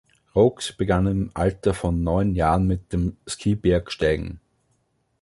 Roux begann im Alter von neun Jahren mit dem Skibergsteigen.